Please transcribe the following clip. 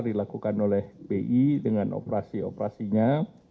dilakukan oleh bi dengan operasi operasinya